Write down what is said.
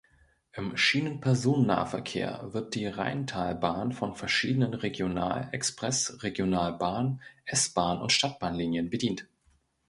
Im Schienenpersonennahverkehr wird die Rheintalbahn von verschiedenen Regional-Express-, Regionalbahn-, S-Bahn- und Stadtbahnlinien bedient.